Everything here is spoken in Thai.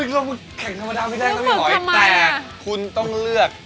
รวมคุณแข่งธรรมดาไม่ได้นะพี่หอยแต่คุณต้องเลือก